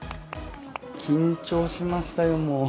緊張しましたよ、もう。